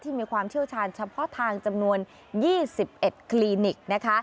มีความเชี่ยวชาญเฉพาะทางจำนวน๒๑คลินิกนะคะ